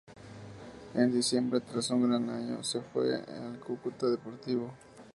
En diciembre, tras un gran año, se fue al Cúcuta Deportivo.